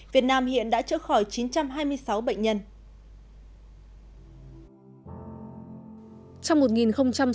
việt nam hiện đã chữa khỏi chín trăm hai mươi sáu bệnh nhân